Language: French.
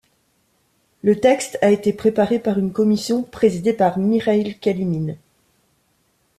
Le texte a été préparé par une commission présidée par Mikhaïl Kalinine.